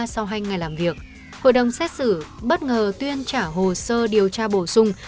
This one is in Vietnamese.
sau hai ngày làm việc hội đồng xét xử bất ngờ tuyên trả hồ sơ điều tra bổ sung